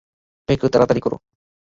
পেকো, তারাতাড়ি করো!